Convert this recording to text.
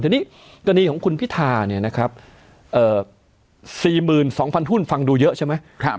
ทีนี้กรณีของคุณพิธาเนี่ยนะครับ๔๒๐๐หุ้นฟังดูเยอะใช่ไหม